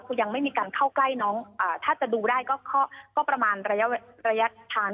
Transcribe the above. คือยังไม่มีการเข้าใกล้น้องถ้าจะดูได้ก็ประมาณระยะทาง